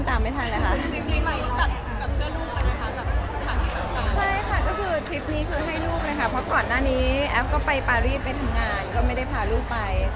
อันนี้แอฟก็ไปปารีสไปทำงานก็ไม่ได้พาลูกไป